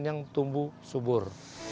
yang tumbuh subur